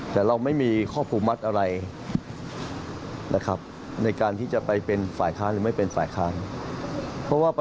ถ้ามันเป็นฝ่ายค้านนะครับ